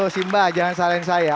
lihat simbah jangan salahkan saya